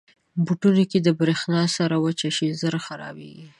بوټونه که د برېښنا سره وچه شي، ژر خرابېږي.